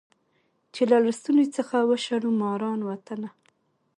چي له لستوڼي څخه وشړو ماران وطنه